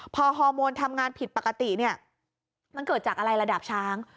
พอฮอร์โมนทำงานผิดปกติเนี่ยมันเกิดจากอะไรระดับช้าง